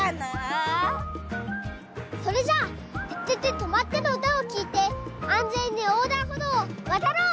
それじゃあ「ててて！とまって！」のうたをきいてあんぜんにおうだんほどうをわたろう！